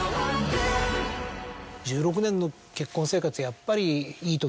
１６年の結婚生活やっぱり。